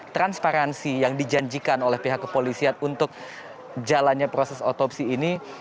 transparansi yang dijanjikan oleh pihak kepolisian untuk jalannya proses otopsi ini